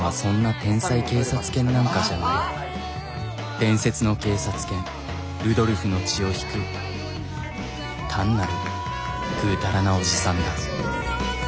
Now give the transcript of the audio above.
伝説の警察犬ルドルフの血を引く単なるぐうたらなおじさんだ。